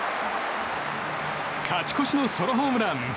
勝ち越しのソロホームラン！